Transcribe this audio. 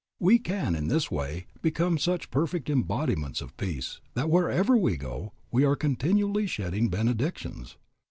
We can in this way become such perfect embodiments of peace that wherever we go we are continually shedding benedictions.